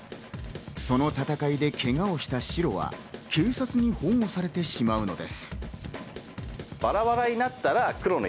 その戦いでけがをしたシロは警察に保護されてしまうのです。